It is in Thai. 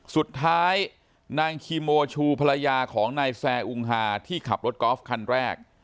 สุดท้ายนางคีโมชูภรรยาของนายแซ่อุงฮาที่ขับรถกอล์ฟคันแรก